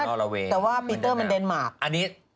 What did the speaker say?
แต่ว่าปีเตอร์มันเดนมาร์ค